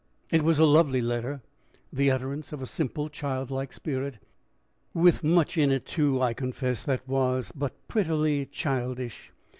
It was a lovely letter the utterance of a simple, childlike spirit with much in it, too, I confess, that was but prettily childish.